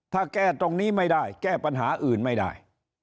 ถ้าแก้ตรงนี้ไม่ได้แก้ปัญหาอื่นไม่ได้